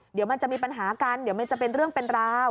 เดี๋ยวมันจะมีปัญหากันเดี๋ยวมันจะเป็นเรื่องเป็นราว